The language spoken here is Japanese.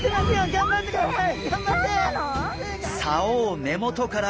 頑張ってください！